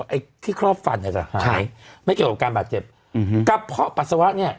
ไอ้ที่ครอบฟันเนี่ยจะหายไม่เกี่ยวกับการบาดเจ็บอืมกระเพาะปัสสาวะเนี่ย